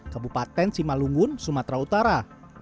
kabupaten simalungun sumatera utara